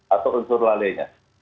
atau unsur lalainya